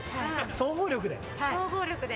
総合力で。